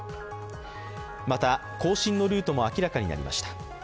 また行進のルートも明らかになりました。